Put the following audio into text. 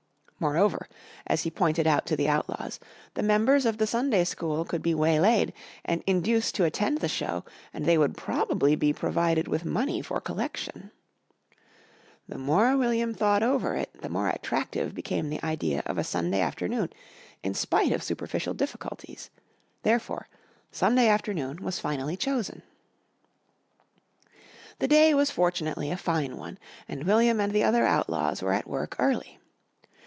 Moreover, as he pointed out to the Outlaws, the members of the Sunday School could be waylaid and induced to attend the show and they would probably be provided with money for collection. The more William thought over it, the more attractive became the idea of a Sunday afternoon in spite of superficial difficulties; therefore Sunday afternoon was finally chosen. The day was fortunately a fine one, and William and the other Outlaws were at work early.